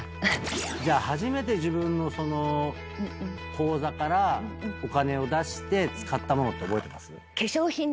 初めて自分の口座からお金を出して使ったものって覚えてます？